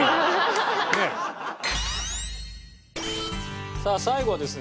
ねえ？さあ最後はですね